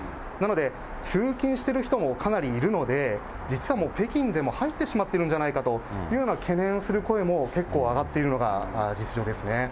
なので、通勤してる人もかなりいるので、実はもう北京でも入ってしまってるんじゃないかというような懸念をする声も、結構上がっているのが実情ですね。